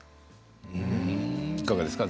いかがですか？